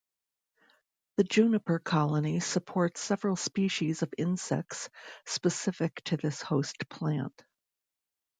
The juniper colony supports several species of insects specific to this host plant.